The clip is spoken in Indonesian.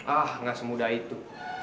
ah ga semudah itu